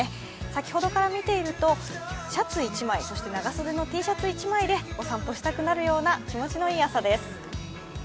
先ほどから見ているとシャツ１枚、長袖のＴシャツ１枚でお散歩したくなるような気持ちのいい朝です。